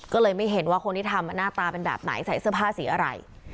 ก็เลยไม่เห็นว่าคนที่ทำหน้าตาเป็นแบบไหนใส่เสื้อผ้าสีอะไร